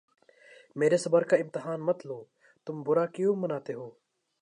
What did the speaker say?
میرے صبر کا امتحان مت لو تم برا کیوں مناتے ہو